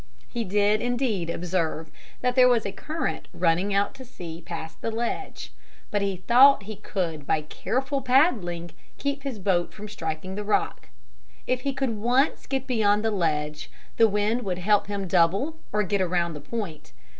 He did indeed observe that there was a current running out to sea past the ledge, but he thought he could by careful paddling keep his boat from striking the rock. If he could once get beyond the ledge, the wind would help him double or get around the point.